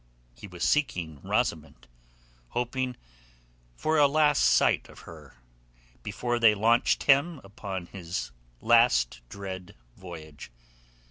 He was seeking Rosamund, hoping for a last sight of her before they launched him upon his last dread voyage.